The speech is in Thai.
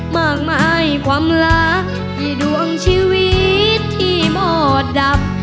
มากมายความรักกี่ดวงชีวิตที่หมอดับ